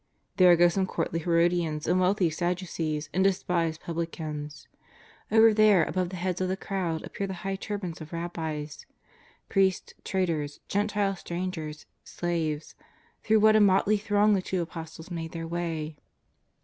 There go some courtly Herodians and wealthy Sadducees and despised publicans. Over there, above the heads of the crowd, appear the high turbans of rabbis. Priests, traders. Gentile strangers, slaves — through what a motley throng the two Apostles made their way!